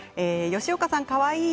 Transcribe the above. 吉岡さん、かわいい！